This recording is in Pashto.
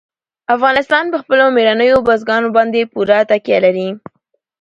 افغانستان په خپلو مېړنیو بزګانو باندې پوره تکیه لري.